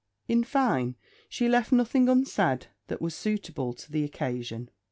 In fine, she left nothing unsaid that was suitable to the occasion.